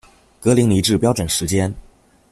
格林尼治标准时间